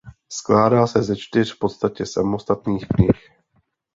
Skládá se ze čtyř v podstatě samostatných knih.